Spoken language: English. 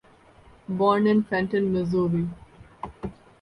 Born in Fenton, Missouri.